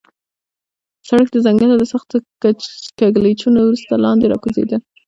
سړک د ځنګله له سختو کږلېچونو وروسته لاندې راکوزېده.